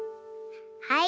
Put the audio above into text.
はい。